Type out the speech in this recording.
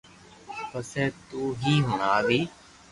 پسي تو ھي ھڻاوي